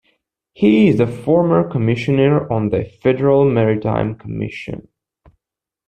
He is a former commissioner on the Federal Maritime Commission.